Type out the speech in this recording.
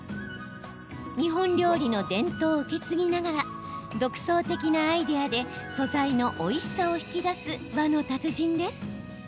日本料理の伝統を受け継ぎながら独創的なアイデアで素材のおいしさを引き出す和の達人です。